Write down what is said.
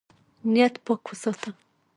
نیت پاک وساته.